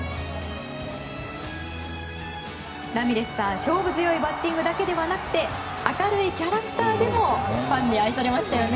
勝負強いバッティングだけでなく明るいキャラクターでもファンに愛されましたよね。